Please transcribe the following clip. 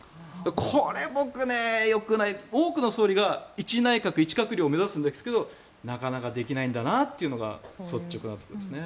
これ、僕、よくない多くの総理が１内閣１閣僚を目指すんですけどなかなかできないんだなというのが率直なところですね。